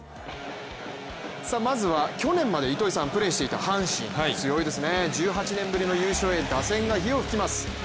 まずは去年まで糸井さんがプレーしていた阪神強いですね、１８年ぶりの優勝へ打線が火を噴きます。